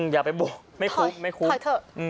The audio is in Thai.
อย่าไปบวกไม่คุกไม่คุก